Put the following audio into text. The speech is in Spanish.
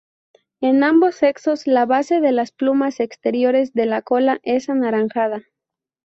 En ambos sexos la base de las plumas exteriores de la cola es anaranjada.